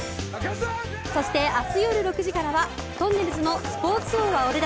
そして、明日夜６時からは「とんねるずのスポーツ王は俺だ！！」